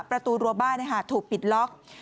ประตูรัวบ้านถูกปิดล็อก